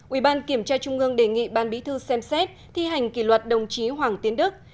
ủy ban kiểm tra trung ương đề nghị ban bí thư xem xét thi hành kỷ luật đồng chí hoàng tiến đức